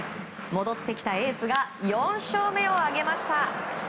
戻ってきたエースが４勝目を挙げました。